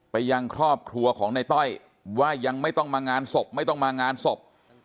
ยังครอบครัวของในต้อยว่ายังไม่ต้องมางานศพไม่ต้องมางานศพ